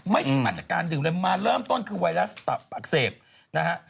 ไม่ใช่มาจากการดื่มเลยมาเริ่มต้นคือไวรัสตับอักเสบนะฮะ